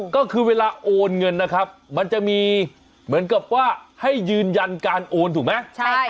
ก็คือเวลาโอนเงินนะครับมันจะมีเหมือนกับว่าให้ยืนยันการโอนถูกไหม